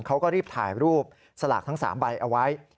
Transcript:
เขาก็รีบถ่ายรูปสลากทั้ง๓ใบเอาไว้